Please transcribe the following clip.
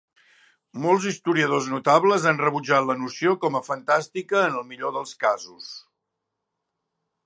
Molts historiadors notables han rebutjat la noció com a fantàstica en el millor dels casos.